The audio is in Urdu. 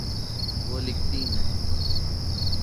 وہ لکھتی ہیں